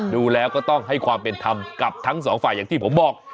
ดูแล้วก็ต้องให้ความเป็นธรรมกับทั้งสองฝ่ายอย่างที่ผมบอก